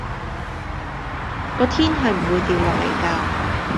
個天係唔會掉落嚟㗎